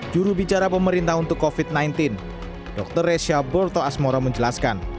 jurubicara pemerintah untuk covid sembilan belas dr resha borto asmoro menjelaskan